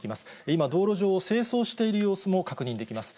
今、道路上を清掃している様子も確認できます。